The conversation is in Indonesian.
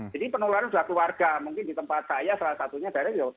jadi penelurahan sudah keluarga mungkin di tempat saya salah satunya dari